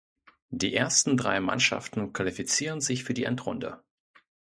Die ersten drei Mannschaften qualifizieren sich für die Endrunde.